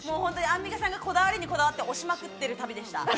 アンミカさんがこだわりにこだわって、押しまくってる旅でした。